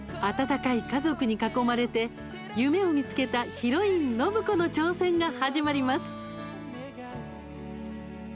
温かい家族に囲まれて夢を見つけたヒロイン暢子の挑戦が始まります。